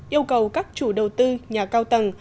yêu cầu các chủ đầu tư nhà cao tầng